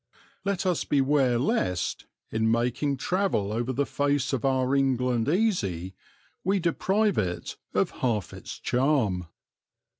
Let us beware lest, in making travel over the face of our England easy, we deprive it of half its charm.